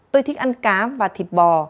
tôi thích ăn cá và thịt bò